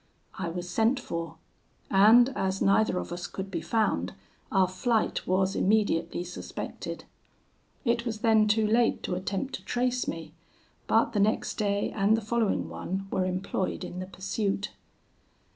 I was sent for; and as neither of us could be found, our flight was immediately suspected. It was then too late to attempt to trace me, but the next day and the following one were employed in the pursuit.